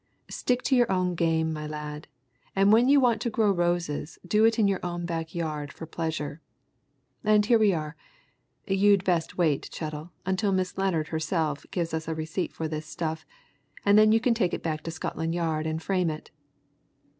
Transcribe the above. "Stick to your own game, my lad, and when you want to grow roses, do it in your own back yard for pleasure. And here we are and you'd best wait, Chettle, until Miss Lennard herself gives a receipt for this stuff, and then you can take it back to Scotland Yard and frame it."